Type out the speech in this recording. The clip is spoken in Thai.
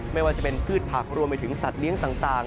ไม่ว่าจะเป็นพืชผักรวมไปถึงสัตว์เลี้ยงต่าง